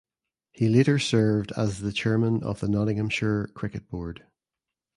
He later served as the chairman of the Nottinghamshire Cricket Board.